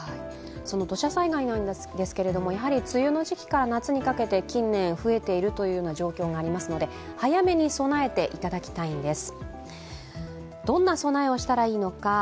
その土砂災害ですけれども、梅雨の時期から夏にかけて近年、増えているという状況がありますので早めに備えていただきたいんです。